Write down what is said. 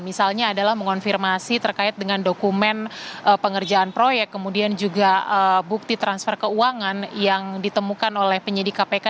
misalnya adalah mengonfirmasi terkait dengan dokumen pengerjaan proyek kemudian juga bukti transfer keuangan yang ditemukan oleh penyidik kpk